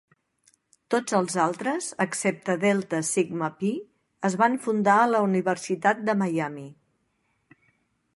Tots els altres, excepte Delta Sigma Pi, es van fundar a la Universitat de Miami.